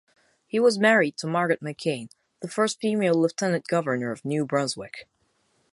He was married to Margaret McCain, the first female Lieutenant Governor of New Brunswick.